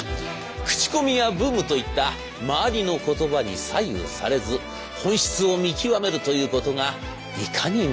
クチコミやブームといった周りの言葉に左右されず本質を見極めるということがいかに難しいことであるか。